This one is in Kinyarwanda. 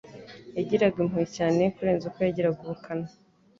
Yagiraga impuhwe cyane kurenza uko yagiraga ubukana.